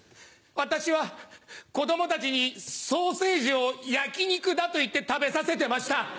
私は子供たちにソーセージを焼き肉だと言って食べさせてました。